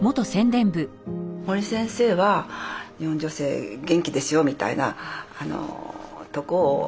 森先生は日本女性元気ですよみたいなとこを本当に見せたかった。